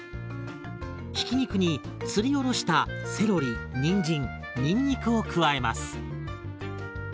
ひき肉にすりおろしたセロリにんじんにんにくを加えます。